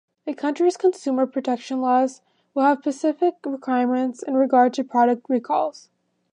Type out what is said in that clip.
A country's consumer protection laws will have specific requirements in regard to product recalls.